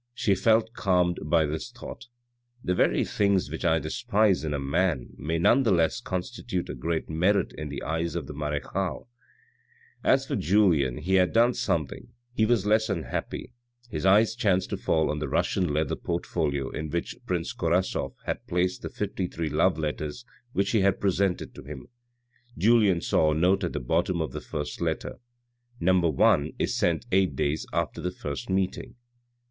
She felt calmed by this thought :" the very things which I despise in a man may none the less constitute a great merit in the eyes of the marechale." As for Julien, he had done something, he was less unhappy ; his eyes chanced to fall on the Russian leather poitfolio in which prince Korasoff had placed the fifty three love letters which he had presented to him. Julien saw a nott at the bottom of the first letter : No. i is sent eight days after the first meeting.